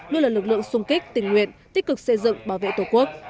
lưu lần lực lượng xung kích tình nguyện tích cực xây dựng bảo vệ tổ quốc